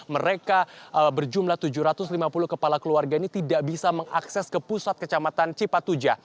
mereka berjumlah tujuh ratus lima puluh kepala keluarga ini tidak bisa mengakses ke pusat kecamatan cipatuja